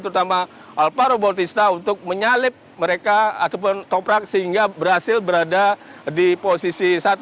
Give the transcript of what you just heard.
terutama alparo bautista untuk menyalip mereka ataupun toprak sehingga berhasil berada di posisi satu